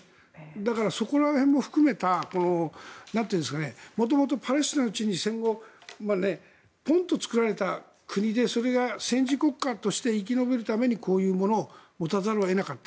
だから、そこら辺も含めた元々、パレスチナの地に戦後ポンっと作られた国でそれが戦時国家として生き延びるためにこういうものを持たざるを得なかった。